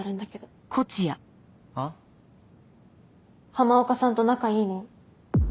浜岡さんと仲いいの？